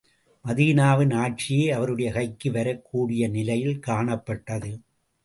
மதீனாவின் ஆட்சியே அவருடைய கைக்கு வரக் கூடிய நிலையில் காணப்பட்டது.